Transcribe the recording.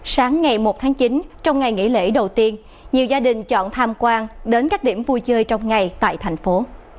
sáng ngày một tháng chín trong ngày nghỉ lễ đầu tiên nhiều gia đình chọn tham quan đến các điểm vui chơi trong ngày tại thành phố